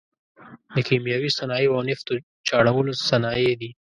د کیمیاوي صنایعو او نفتو چاڼولو صنایع دي.